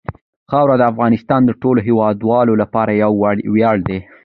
خاوره د افغانستان د ټولو هیوادوالو لپاره یو ویاړ دی.